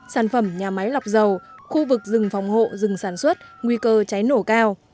sản phẩm nhà máy lọc dầu khu vực rừng phòng hộ rừng sản xuất nguy cơ cháy nổ cao